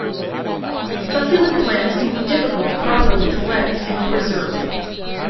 Succulent plants can be difficult to properly collect and preserve.